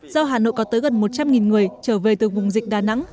do hà nội có tới gần một trăm linh người trở về từ vùng dịch đà nẵng